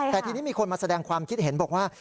แต่ทีนี้มีคนมาแสดงความคิดเห็นบอกว่า